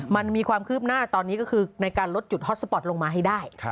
มันมีความคืบหน้าตอนนี้ก็คือในการลดจุดฮอตสปอร์ตลงมาให้ได้